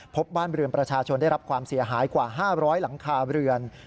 พบบ้านเรือนประชาชนได้รับความเสียหายกว่า๕๐๐หลังคาเรือน